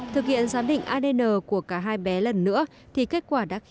thực hiện giám định adn của cả hai bé lần nữa